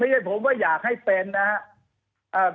อย่างผมว่าอยากให้เป็นนะครับ